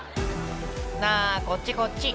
なあ、こっちこっち。